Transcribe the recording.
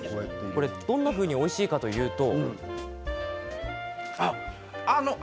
どんなふうにおいしいかというと。